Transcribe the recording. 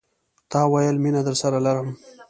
تا ويل، میینه درسره لرم